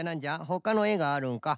ほかのえがあるんか？